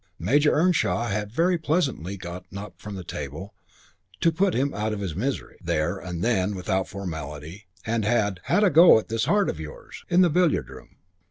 Major Earnshaw had very pleasantly got up from the table to "put him out of his misery" there and then without formality and had "had a go at this heart of yours" in the billiard room.